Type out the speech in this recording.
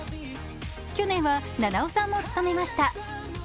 去年は、菜々緒さんも務めました。